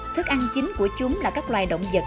thức ăn chính của chúng là các loài động vật